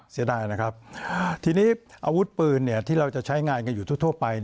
เสียดายนะครับทีนี้อาวุธปืนที่เราจะใช้งานกันอยู่ทั่วไป